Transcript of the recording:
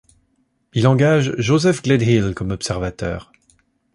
Il engage Joseph Gledhill comme observateur.